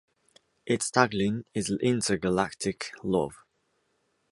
Its tagline is "Inter Galactic Love".